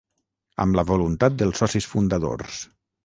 amb la voluntat dels socis fundadors